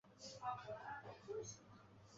洪武十八年出生。